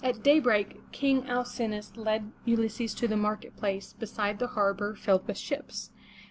At daybreak, King Al cin'o us led Ulysses to the market place beside the harbor filled with ships.